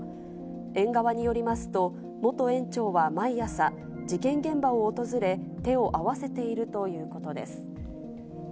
園側によりますと、元園長は毎朝、事件現場を訪れ、手を合わせているということです。